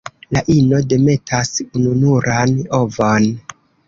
La ino demetas ununuran ovon.